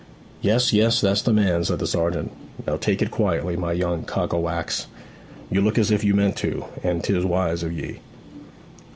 'Yes, yes; that's the man,' said the sergeant. 'Now take it quietly, my young cock o' wax. You look as if you meant to, and 'tis wise of ye.'